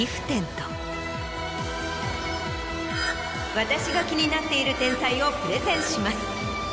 私が気になっている天才をプレゼンします。